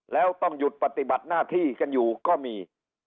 แล้วต้องหยุดปฏิบัติหน้าที่กันอยู่ก็มี